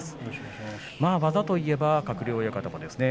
技といえば鶴竜親方ですね